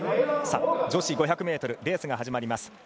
女子５００ｍレースが始まります。